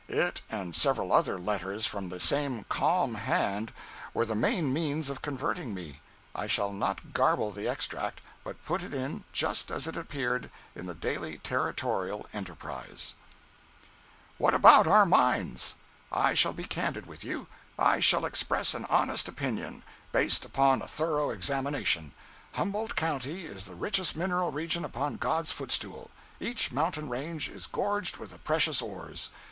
It and several other letters from the same calm hand were the main means of converting me. I shall not garble the extract, but put it in just as it appeared in the Daily Territorial Enterprise: But what about our mines? I shall be candid with you. I shall express an honest opinion, based upon a thorough examination. Humboldt county is the richest mineral region upon God's footstool. Each mountain range is gorged with the precious ores.